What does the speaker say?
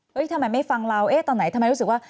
ทำไมไม่ฟังเราเอ๊ะตอนไหนทำไมรู้สึกว่า